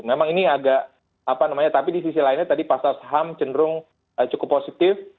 memang ini agak apa namanya tapi di sisi lainnya tadi pasar saham cenderung cukup positif